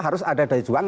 harus ada daya juang